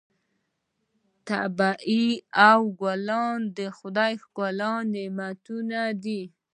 طبیعت او ګلونه د خدای ښکلي نعمتونه دي.